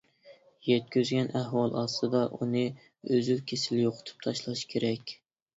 يەتكۈزگەن ئەھۋال ئاستىدا، ئۇنى ئۈزۈل-كېسىل يوقىتىپ تاشلاش كېرەك.